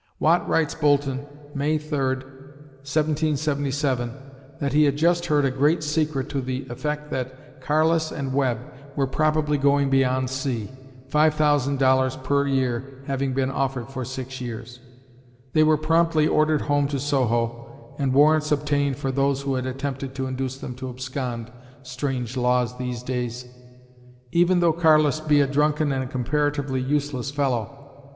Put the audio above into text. Watt writes Boulton, May 3, 1777, that he had just heard a great secret to the effect that Carless and Webb were probably going beyond sea, $5,000 per year having been offered for six years. They were promptly ordered home to Soho and warrants obtained for those who had attempted to induce them to abscond (strange laws these days!), "even though Carless be a drunken and comparatively useless fellow."